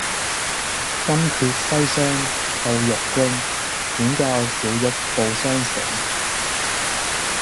金闕西廂叩玉扃，轉教小玉報雙成。